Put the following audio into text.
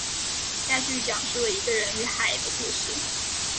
该剧讲述了一个人与海的故事。